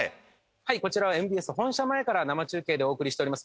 はいこちらはＭＢＳ本社前から生中継でお送りしております